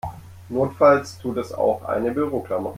Notfalls tut es auch eine Büroklammer.